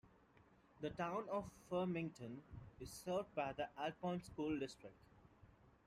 The town of Farmington is served by the Alcorn School District.